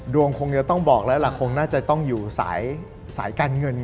คงจะต้องบอกแล้วล่ะคงน่าจะต้องอยู่สายการเงิน